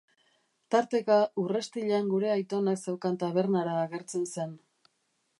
Tarteka Urrestillan gure aitonak zeukan tabernara agertzen zen.